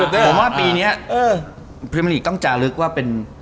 ผมว่าปีนี้พรีเมอร์ลีกต้องจาลึกว่าเป็น